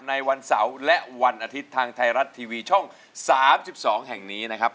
ในวันเสาร์และวันอาทิตย์ทางไทยรัฐทีวีช่อง๓๒แห่งนี้นะครับ